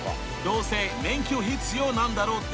どうせ免許必要なんだろ？